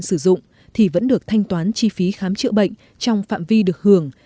thẻ hết hạn sử dụng thì vẫn được thanh toán chi phí khám chữa bệnh trong phạm vi được hưởng